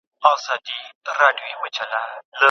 مورنۍ ژبه د مفاهيمو پرتله څنګه اسانه کوي؟